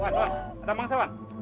wan ada mangsa wan